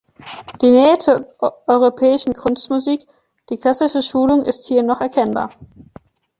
Die Nähe zur europäischen Kunstmusik, die klassische Schulung ist hier noch erkennbar.